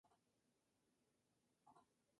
Conde y Luque.